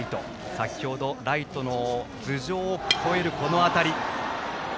先程、ライトの頭上を越えるこの当たり。